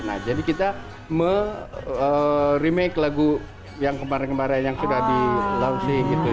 nah jadi kita me remake lagu yang kemarin kemarin yang sudah di launching gitu